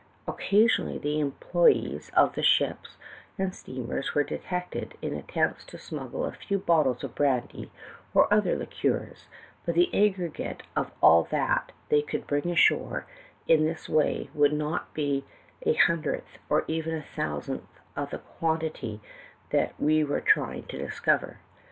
Occasionally the* employes of the ships and steamers were detected in attempts to smug gle a few bottles of brandy or other liquors, but the aggregate of all that they could bring ashore, in this wa}', would not be a hundredth, or even a thousandth, of the quantity that we were trying to discover.